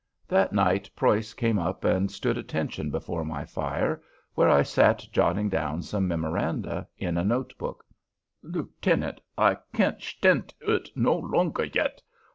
That night Preuss came up and stood attention before my fire, where I sat jotting down some memoranda in a note book: "Lieutenant, I kent shtaendt ut no longer yet.